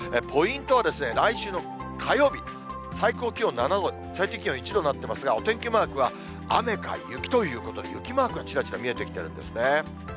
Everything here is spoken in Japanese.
ポイントは来週の火曜日、最高気温７度、最低気温１度になってますが、お天気マークは雨か雪ということで、雪マークがちらちら見えてきてるんですね。